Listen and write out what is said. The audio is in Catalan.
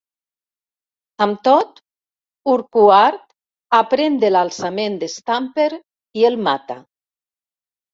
Amb tot, Urquhart aprèn de l'alçament d'Stamper i el mata.